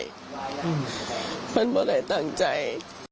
ผมไม่ได้ตั้งใจ